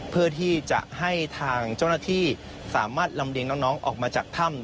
เพื่อที่จะให้ทางเจ้าหน้าที่สามารถลำเลียงน้องออกมาจากถ้ำ